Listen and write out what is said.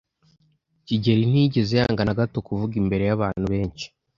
kigeli ntiyigeze yanga na gato kuvuga imbere y'abantu benshi.